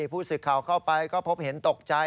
พูดสิทธิ์เข้าเข้าไปก็พบเห็นตกใจ